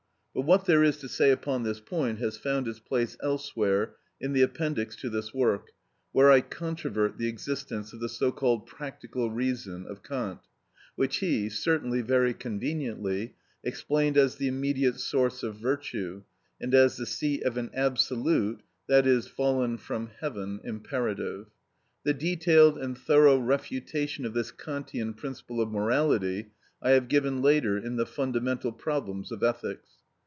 But what there is to say upon this point has found its place elsewhere in the appendix to this work, where I controvert the existence of the so called practical reason of Kant, which he (certainly very conveniently) explained as the immediate source of virtue, and as the seat of an absolute (i.e., fallen from heaven) imperative. The detailed and thorough refutation of this Kantian principle of morality I have given later in the "Fundamental Problems of Ethics."